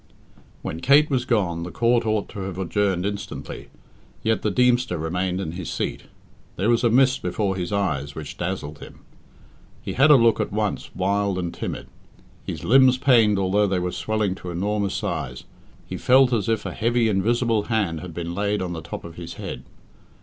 When Kate was gone, the court ought to have adjourned instantly, yet the Deemster remained in his seat. There was a mist before his eyes which dazzled him. He had a look at once wild and timid. His limbs pained although they were swelling to enormous size. He felt as if a heavy, invisible hand had been laid on the top of his head.